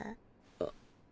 あっ。